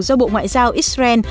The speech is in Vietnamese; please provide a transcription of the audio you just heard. do bộ ngoại giao israel